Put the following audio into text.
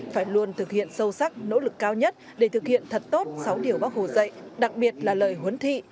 phải luôn thực hiện sâu sắc nỗ lực cao nhất để thực hiện thật tốt sáu điều bác hồ dạy đặc biệt là lời huấn thị